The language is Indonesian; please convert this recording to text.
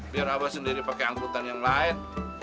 biar abah sendiri pakai angkutan yang lain